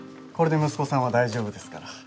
これで息子さんは大丈夫ですから。